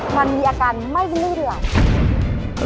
มันมีอาการไม่พึ่งเลย